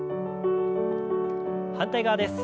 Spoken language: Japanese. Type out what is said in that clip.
反対側です。